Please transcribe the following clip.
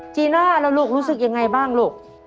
จีน่าแล้วลูกรู้สึกยังไงบ้างลูก